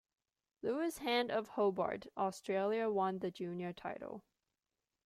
Lewis Hand of Hobart, Australia won the junior title.